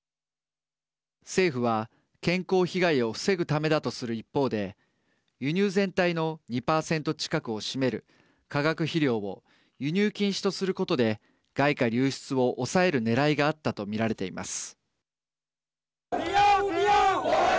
政府は、健康被害を防ぐためだとする一方で輸入全体の２％近くを占める化学肥料を輸入禁止とすることで外貨流出を抑えるねらいがあったと見られています。